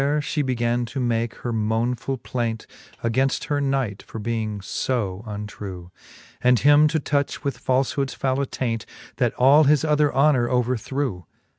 There fhe began to make her monefuH plaint Againft her knight, for being lb untrew ; And him to touch with falfhoods fovvle attaint, That all his other honour overthrew.